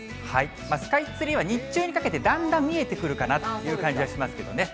スカイツリーは日中にかけて、だんだん見えてくるかなという感じがしますけれどもね。